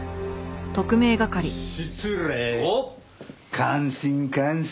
感心感心。